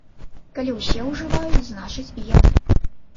Калі усе ўжываюць, значыць і яны.